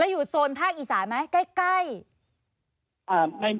อยู่โซนภาคอีสานไหมใกล้